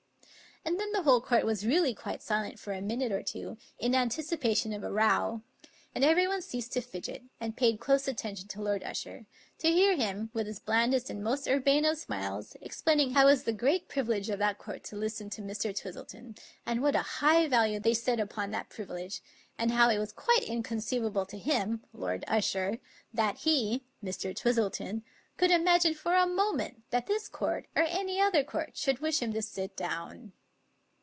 And then the whole court was really quite silent for a minute or two, in anticipation of a row ; and every one ceased to fidget, and paid close attention to Lord Usher; to hear him, with his blandest and most urbane of smiles, explaining how it was the great privi lege of that court to listen to Mr. Twistleton, and what a high value they set upon that privilege, and how it was quite inconceivable to him (Lord Usher) that he (Mr. Twistleton) could imagine for a moment that this court or any other court should wish him to sit down.